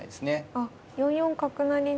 あっ４四角成だと。